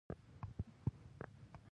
جون د خپل پلار کشر زوی و